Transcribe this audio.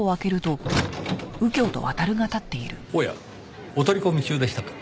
おやお取り込み中でしたか？